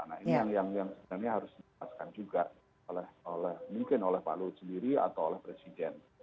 nah ini yang sebenarnya harus dijelaskan juga oleh mungkin oleh pak luhut sendiri atau oleh presiden